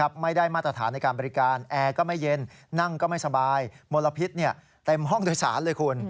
ไม่ได้มาตรฐานในการบริการแอร์ก็ไม่เย็นนั่งก็ไม่สบายมลพิษเต็มห้องโดยสารเลยคุณ